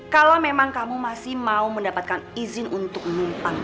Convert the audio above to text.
kalau memang kamu masih mau mendapatkan izin untuk numpang